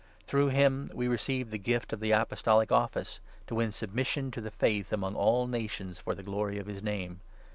Through him we received the gift of the Apostolic office, to win submission to the Faith among all nations for the glory of his Name.